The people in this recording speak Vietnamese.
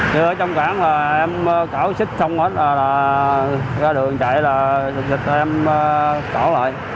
như ở trong cảng em cỏ xích xong rồi ra đường chạy là xích xích rồi em cỏ lại